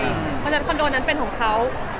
เพราะฉะนั้นคอนโดนั้นเป็นของเขา